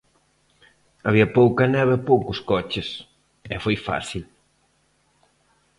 Había pouca neve e poucos coches, e foi fácil.